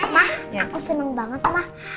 ma aku seneng banget ma